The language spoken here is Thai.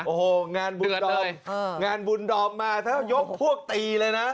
โอ้โหงานบุญดอมมาเท่ายกพวกตีเลยนะ